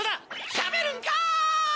しゃべるんかい！